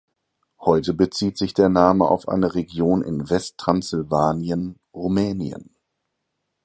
Heute bezieht sich der Name auf eine Region in Westtranssylvanien, Rumänien.